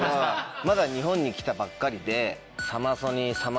まだ日本に来たばっかりで。